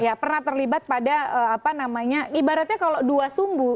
ya pernah terlibat pada ibaratnya kalau dua sumbu